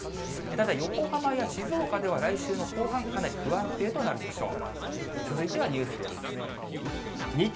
ただ、横浜や静岡では来週の後半、かなり不安定となるでしょう。